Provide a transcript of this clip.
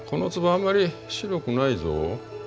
あんまり白くないぞ。